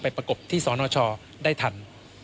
ประกบที่สนชได้ทัน